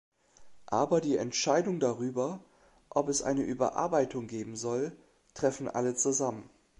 Aber die Entscheidung darüber, ob es eine Überarbeitung geben soll, treffen alle zusammen.